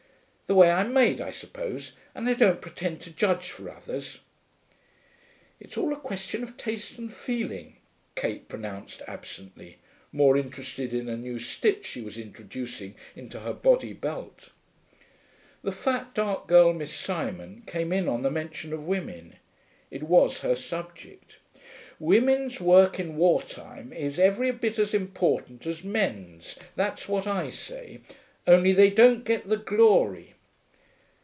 The way I'm made, I suppose, and I don't pretend to judge for others.' 'It's all a question of taste and feeling,' Kate pronounced absently, more interested in a new stitch she was introducing into her body belt. The fat dark girl, Miss Simon, came in on the mention of women. It was her subject. 'Women's work in war time is every bit as important as men's, that's what I say; only they don't get the glory.'